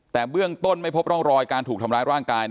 แต่เบื้องต้นไม่พบร่องรอยการถูกทำร้ายร่างกาย